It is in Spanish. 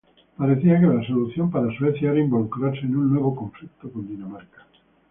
Parecía que la solución para Suecia era involucrarse en un nuevo conflicto con Dinamarca.